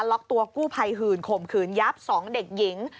ล็อกตั๊กกู่ไพรฮื่นโโมคืนยับ๒เด็กหญิง